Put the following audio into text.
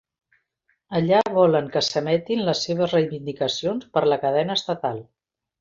Allà volen que s'emetin les seves reivindicacions per la cadena estatal.